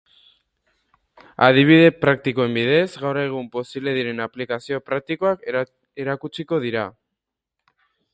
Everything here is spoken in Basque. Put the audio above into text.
Adibide praktikoen bidez, gaur egun posible diren aplikazio praktikoak erakutsiko dira.